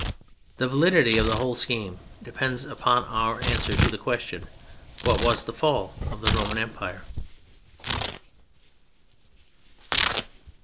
The validity of the whole scheme depends upon our answer to the question, "What was the fall of the Roman Empire?"